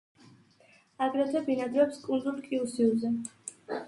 აგრეთვე ბინადრობს კუნძულ კიუსიუზე.